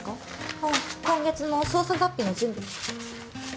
あっ今月の捜査雑費の準備。